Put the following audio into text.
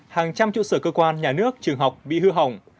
hàng trăm trụ sở cơ quan nhà nước trường học bị hư hỏng